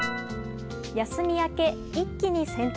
休み明け、一気に洗濯。